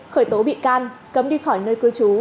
khởi tố bị can cấm đi khỏi nơi cưới chú